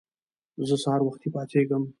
زه سهار وختی پاڅیږم